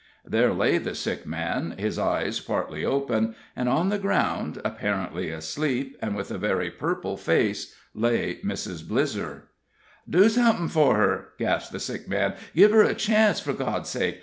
There lay the sick man, his eyes partly open, and on the ground, apparently asleep, and with a very purple face, lay Mrs. Blizzer. "Do somethin' for her," gasped the sick man; "give her a chance, for God's sake.